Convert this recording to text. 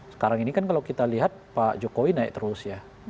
sekarang ini kan kalau kita lihat pak jokowi naik terus ya